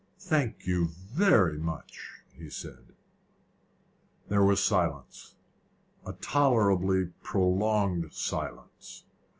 "Thank you very much," he said. There was silence again a tolerably prolonged silence.